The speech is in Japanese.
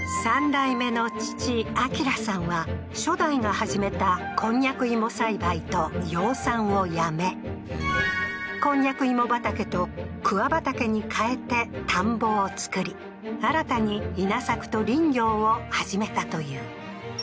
３代目の父・章さんは、初代が始めたこんにゃく芋栽培と養蚕をやめ、こんにゃく芋畑と桑畑にかえて田んぼをつくり、新たに稲作と林業を始めたという。